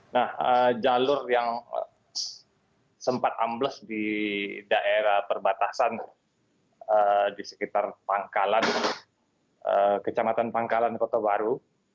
nah jalur yang sempat ambles di daerah perbatasan di sekitar pangkalan kecamatan pangkalan kota baru